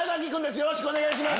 よろしくお願いします。